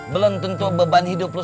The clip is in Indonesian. belum tentu beban hidup lo